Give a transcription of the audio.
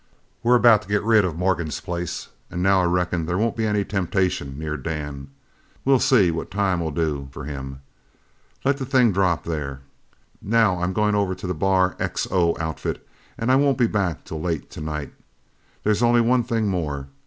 We're about to get rid of Morgan's place, an' now I reckon there won't be any temptation near Dan. We'll see what time'll do for him. Let the thing drop there. Now I'm goin' over to the Bar XO outfit an' I won't be back till late tonight. There's only one thing more.